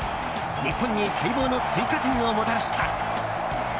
日本に待望の追加点をもたらした。